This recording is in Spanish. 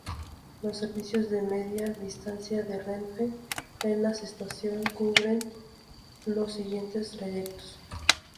Los servicios de Media Distancia de Renfe en la estación cubren los siguientes trayectos.